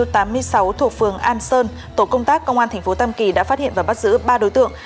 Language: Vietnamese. karaoke new tám mươi sáu thuộc phường an sơn tổ công tác công an tp tam kỳ đã phát hiện và bắt giữ ba đối tượng